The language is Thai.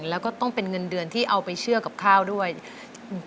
แล้วก็ต้องเป็นเงินเดือนที่เอาไปเชื่อกับข้าวด้วยอืม